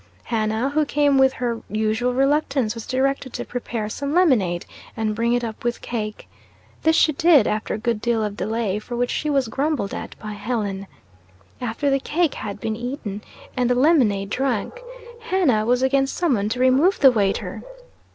Hannah, who came with her usual reluctance, was directed to prepare some lemonade, and bring it up with cake. This she did, after a good deal of delay, for which she was grumbled at by Helen. After the cake bad been eaten, and the lemonade drank, Hannah was again summoned to remove the waiter.